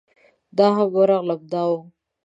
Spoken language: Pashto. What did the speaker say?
زه هم ورغلم دا و.